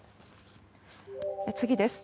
次です。